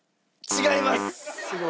違います！